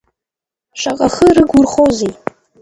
Шаҟа хы рыгурхозеи?